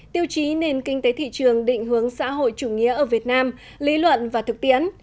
tiêu chí nền kinh tế thị trường định hướng xã hội chủ nghĩa ở việt nam lý luận và thực tiễn